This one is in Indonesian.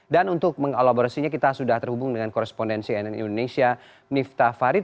dan untuk mengalaborsinya kita sudah terhubung dengan korespondensi nn indonesia mifta farid